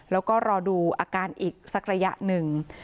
แล้วก็รอดูอาการอีกสักระยะหนึ่ง